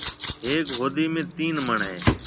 هيڪ هودي ۾ تين مَڻ هيَ۔